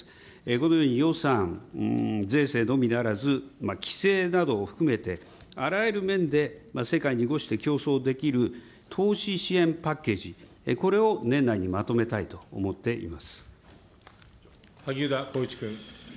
このように予算、税制のみならず、規制などを含めて、あらゆる面で世界にごして競争できる投資支援パッケージ、これを萩生田光一君。